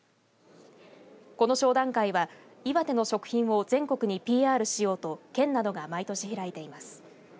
この商談会は岩手の食品を全国にＰＲしようと県などが毎年開いています。